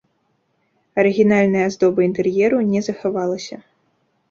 Арыгінальная аздоба інтэр'еру не захавалася.